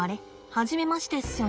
初めましてっすよね。